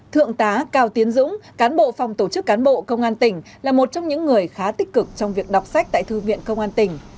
thượng tá cao tiến dũng cán bộ phòng tổ chức cán bộ công an tỉnh là một trong những người khá tích cực trong việc đọc sách tại thư viện công an tỉnh